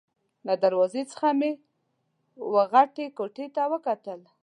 له دروازې څخه مې وه غټې کوټې ته وکتل.